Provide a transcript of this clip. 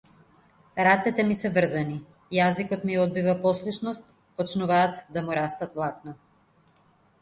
Рацете ми се врзани, јазикот ми одбива послушност, почнуваат да му растат влакна.